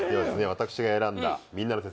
私が選んだ「みんなの説」